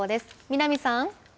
南さん。